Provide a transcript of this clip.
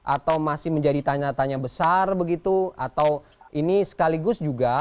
atau masih menjadi tanya tanya besar begitu atau ini sekaligus juga